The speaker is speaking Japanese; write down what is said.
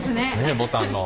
ボタンの。